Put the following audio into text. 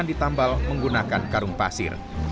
ditambal menggunakan karung pasir